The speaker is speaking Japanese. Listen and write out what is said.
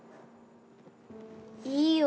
いいよ